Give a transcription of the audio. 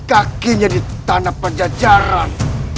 kakinya di tanah penjajaran